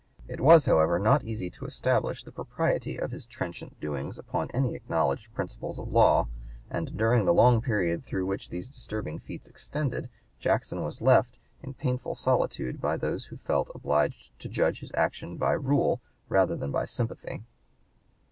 It was, however, not easy to establish the propriety of his trenchant doings upon any acknowledged principles of law, and during the long period through which these disturbing feats extended, Jackson was left in painful solitude by those who felt obliged to judge his actions by rule rather than by sympathy.